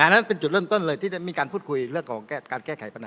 นั่นเป็นจุดเริ่มต้นเลยที่ได้มีการพูดคุยเรื่องของการแก้ไขปัญหา